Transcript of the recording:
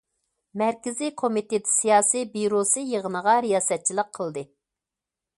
مەركىزىي كومىتېت سىياسىي بىيۇروسى يىغىنغا رىياسەتچىلىك قىلدى.